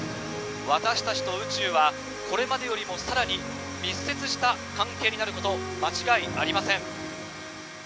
私たちと宇宙は、これまでよりもさらに密接した関係になること、間違いありません。